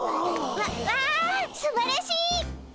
わわあすばらしいっ。